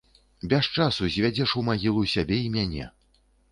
Без часу звядзеш у магілу сябе і мяне.